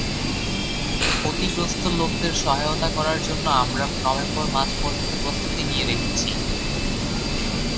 ক্ষতিগ্রস্ত লোকদের সহায়তা করার জন্য আমরা নভেম্বর মাস পর্যন্ত প্রস্তুতি নিয়ে রেখেছি।